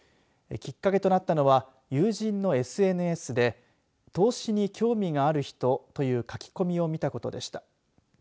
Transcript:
きっかけとなったのは友人のＳＮＳで投資に興味がある人という書き込みを見たことでした。